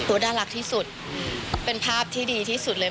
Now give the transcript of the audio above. น่ารักที่สุดเป็นภาพที่ดีที่สุดเลย